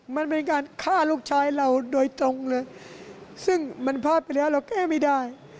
มันเป็นการฆ่าลูกชายเราโดยตรงเลยซึ่งมันพลาดไปแล้วเราแก้ไม่ได้